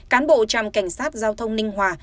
cán bộ tràm cảnh sát giao thông ninh hòa